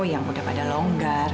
yang udah pada longgar